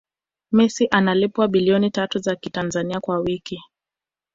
messi analipwa bilioni tatu za kitanzania kwa wiki